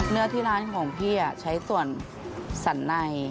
เนื้อที่ร้านของพี่ใช้ส่วนสันใน